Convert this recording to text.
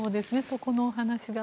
そこのお話が。